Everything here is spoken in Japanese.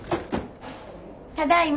ただいま。